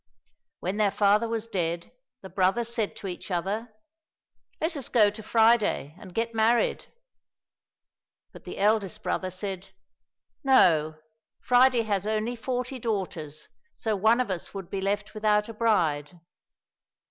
When their father was dead, the brothers said to each other, " Let us go to Friday and get married !"— But the eldest brother said, " No, Friday has only forty daughters, so one of us would be left without a bride."